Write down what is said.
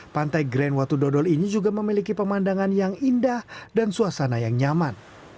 pantai grand watu dodol ini juga memiliki pemandangan yang indah dan suasana yang nyaman